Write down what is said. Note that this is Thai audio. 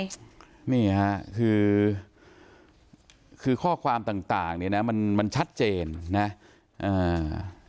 นี่ค่ะคือข้อความต่างเนี่ยมันชัดเจนเนี่ย